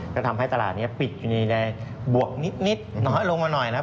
ก็ทำให้ตลาดนี้ปิดในใดบวกนิดนิดน้อยลงมาหน่อยแล้ว